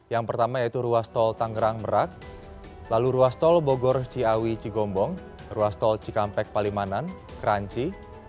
yang pertama yaitu ruas tol tangerang merak lalu ruas tol bogor ciawi cigombong ruas tol cikampek palimanan keranci